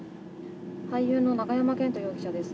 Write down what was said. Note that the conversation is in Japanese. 俳優の永山絢斗容疑者です。